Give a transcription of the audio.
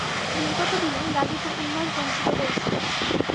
বিগত দিনে গাজীপুর উন্নয়নবঞ্চিত হয়েছে।